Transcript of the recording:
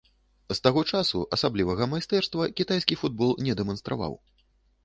З таго часу асаблівага майстэрства кітайскі футбол не дэманстраваў.